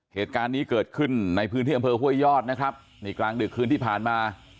เหตุการณ์นี้เกิดขึ้นในพื้นที่อำเภอห้วยยอดนะครับนี่กลางดึกคืนที่ผ่านมา